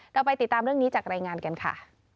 เราไปติดตามเรื่องนี้จากรายงานกันค่ะ